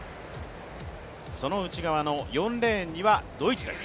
その内側の４レーンにはドイツです。